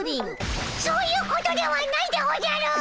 そういうことではないでおじゃる！